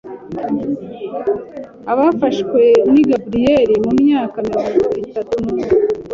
Abafashwe ni Gabriel w’imyaka mirongo itatu numwe